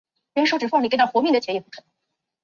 观塘绕道共分三期兴建。